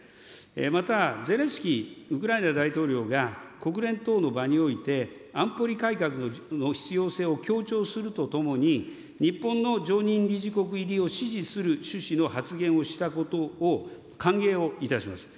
またゼレンスキーウクライナ大統領が国連等の場において、安保理改革の必要性を強調するとともに、日本の常任理事国入りを支持する趣旨の発言をしたことを歓迎をいたします。